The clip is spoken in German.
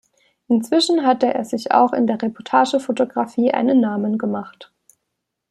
Inzwischen hatte er sich auch in der Reportagefotografie einen Namen gemacht.